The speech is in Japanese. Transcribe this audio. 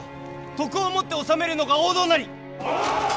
徳をもって治めるのが王道なり！